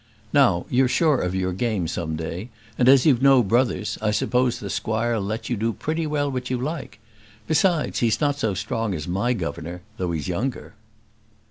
"Now, you're sure of your game some day; and as you've no brothers, I suppose the squire'll let you do pretty well what you like. Besides, he's not so strong as my governor, though he's younger."